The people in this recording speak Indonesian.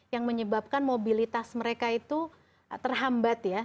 yang menyebabkan mobilitas mereka itu terhambat ya